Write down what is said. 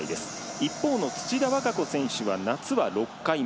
一方の土田和歌子選手は夏は６回目。